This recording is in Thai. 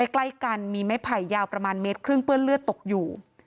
ใกล้กันมีไม้ไผ่ยาวประมาณเมตรครึ่งเปื้อนเลือดตกอยู่